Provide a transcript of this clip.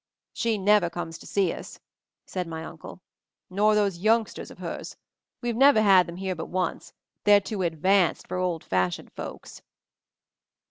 "She never comes to see us!" said my Uncle. "Nor those youngsters of hers. We've never had them here but once. They're too 'advanced' for old fashioned folks."